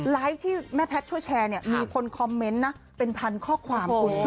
ที่แม่แพทย์ช่วยแชร์เนี่ยมีคนคอมเมนต์นะเป็นพันข้อความคุณ